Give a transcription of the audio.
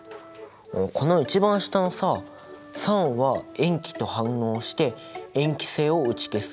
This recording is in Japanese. おっこの一番下のさ酸は塩基と反応して塩基性を打ち消す。